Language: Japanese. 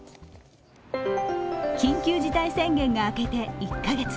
緊急事態宣言が明けて１カ月。